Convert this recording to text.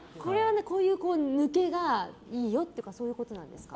こういう抜けがいいよとかそういうことなんですか？